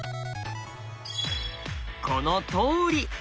このとおり。